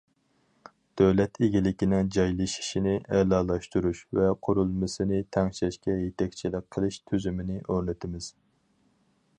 دۆلەت ئىگىلىكىنىڭ جايلىشىشىنى ئەلالاشتۇرۇش ۋە قۇرۇلمىسىنى تەڭشەشكە يېتەكچىلىك قىلىش تۈزۈمىنى ئورنىتىمىز.